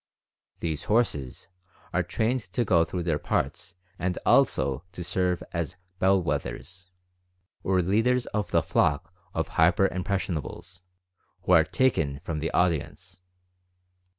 These "horses" are trained to go through their parts and also to serve as "bell wethers" or leaders of the flock of "hyper impressionables" who are taken from the au dience.